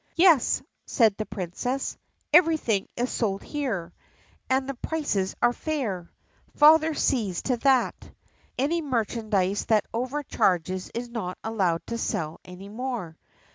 "Yes," said the Princess, "everything is sold here. And the prices are fair. Father sees to that. Any merchant that over charges is not allowed to sell any more.